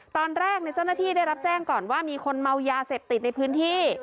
ตอนแรกเจ้าหน้าที่ได้รับแจ้งก่อนว่ามีคนเมายาเสพติดในพื้นที่